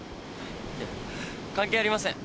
いや関係ありません。